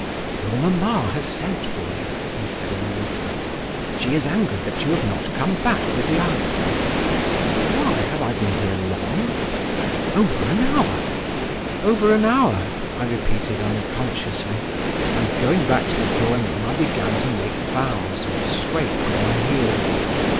"Your mamma has sent for you," he said in a whisper. "She is angry that you have not come back with the answer." "Why, have I been here long?" "Over an hour." "Over an hour!" I repeated unconsciously, and going back to the drawing room I began to make bows and scrape with my heels.